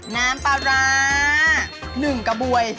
น้ำปลาร้า๑กระบวย